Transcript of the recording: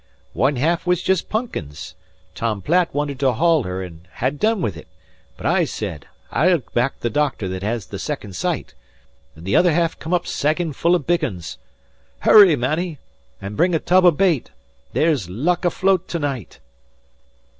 "One half was jest punkins. Tom Platt wanted to haul her an' ha' done wid ut; but I said, "I'll back the doctor that has the second sight, an' the other half come up sagging full o' big uns. Hurry, Man'nle, an' bring's a tub o' bait. There's luck afloat to night."